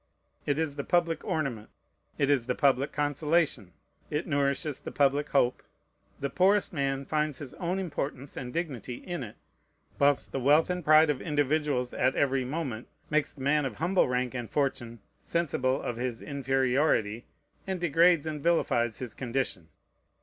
It is the public ornament. It is the public consolation. It nourishes the public hope. The poorest man finds his own importance and dignity in it, whilst the wealth and pride of individuals at every moment makes the man of humble rank and fortune sensible of his inferiority, and degrades and vilifies his condition.